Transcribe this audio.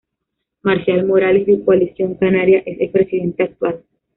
Marcial Morales de Coalición Canaria es el presidente actual.